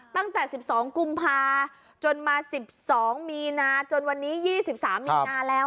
ตั้งแต่๑๒กุมภาจนมา๑๒มีนาจนวันนี้๒๓มีนาแล้ว